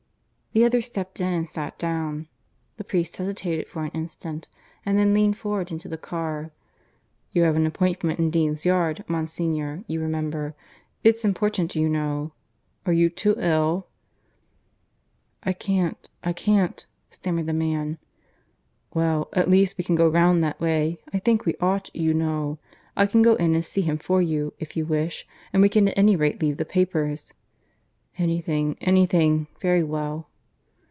The other stepped in and sat down. The priest hesitated for an instant, and then leaned forward into the car. "You have an appointment in Dean's Yard, Monsignor, you remember. It's important, you know. Are you too ill?" "I can't. ... I can't. ..." stammered the man. "Well, at least, we can go round that way. I think we ought, you know. I can go in and see him for you, if you wish; and we can at any rate leave the papers." "Anything, anything. ... Very well."